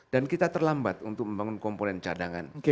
dan kita terlambat untuk membangun komponen cadangan